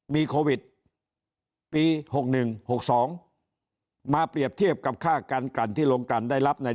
มีโควิดปี๖๑๖๒มาเปรียบเทียบกับค่าการกลั่นที่โรงการได้รับใน